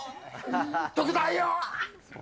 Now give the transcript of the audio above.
特大よ！